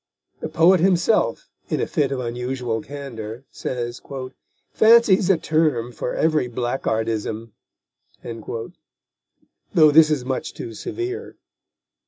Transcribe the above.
The poet himself, in a fit of unusual candour, says: Fancy's a term for every blackguardism, though this is much too severe.